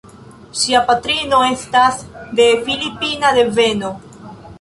Ŝia patrino estas de filipina deveno.